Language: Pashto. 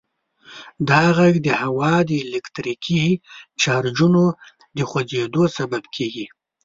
دا غږ د هوا د الکتریکي چارجونو د خوځیدو سبب دی.